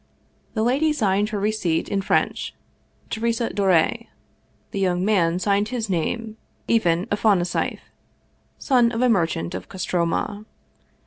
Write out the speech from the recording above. The lady signed her receipt in French, Teresa Dore; the young man signed his name, Ivan Afonasieff, son of a merchant of Kostroma.